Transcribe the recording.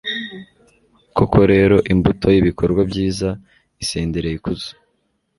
koko rero, imbuto y'ibikorwa byiza isendereye ikuzo